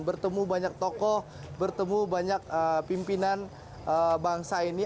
bertemu banyak tokoh bertemu banyak pimpinan bangsa ini